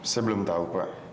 saya belum tahu pak